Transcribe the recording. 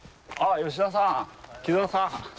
吉田さん木澤さん。